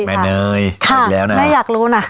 เนยอีกแล้วนะแม่อยากรู้นะ